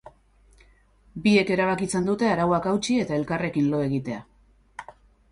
Biek erabakitzen dute arauak hautsi eta elkarrekin lo egitea.